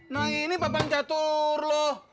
nah ini papan catur loh